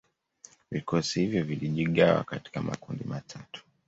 Vikosi hivyo vilijigawa katika makundi matatu